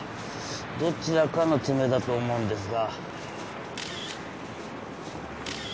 どちらかの爪だと思うんですが。